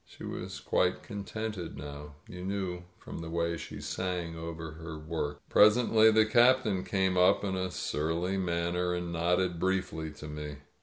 She was quite contented now; you knew from the way she sang over her work. Presently the Captain came up in a surly manner and nodded briefly to me.